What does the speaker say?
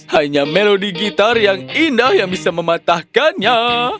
hanya melodi gitar yang indah yang bisa mematahkannya